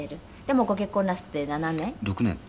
もう、ご結婚なすって７年？